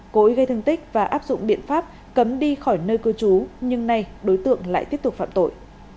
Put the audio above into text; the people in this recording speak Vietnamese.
cố ý gây thương tích và áp dụng biện pháp cấm đi khỏi nơi cư trú nhưng nay đối tượng lại tiếp tục phạm tội